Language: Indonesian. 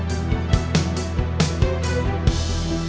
ini kan kesayangan gue